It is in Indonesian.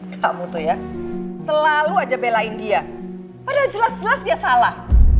kamu tuh ya selalu aja belain dia padahal jelas jelas dia salah